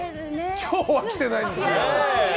今日は来てないですね。